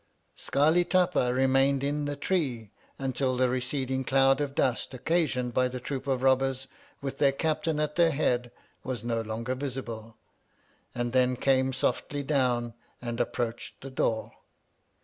Scarli Tapa remained in the tree until the receding cloud of dust occasioned by the troop of robbers with their captain at their head, was no longer visible, and then came softly down and approached the door.